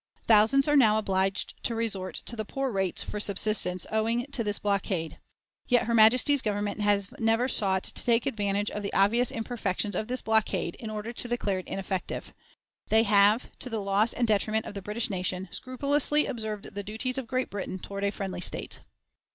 "Thousands are now obliged to resort to the poor rates for subsistence owing to this blockade. Yet her Majesty's Government have never sought to take advantage of the obvious imperfections of this blockade, in order to declare it ineffective. They have, to the loss and detriment of the British nation, scrupulously observed the duties of Great Britain toward a friendly state."